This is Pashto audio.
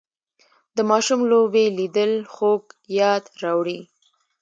د ماشوم لوبې لیدل خوږ یاد راوړي